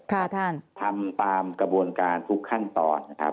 ทำตามกระบวนการทุกขั้นตอน